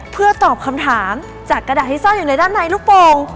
เพื่อตอบคำถามจากกระดาษที่ซ่อนอยู่ในด้านในลูกโป่ง